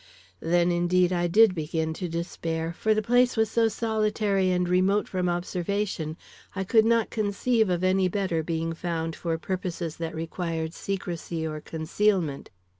Then indeed I did begin to despair, for the place was so solitary and remote from observation, I could not conceive of any better being found for purposes that required secrecy or concealment.